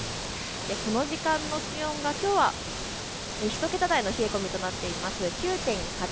この時間の気温がきょうは１桁台の冷え込みとなっています。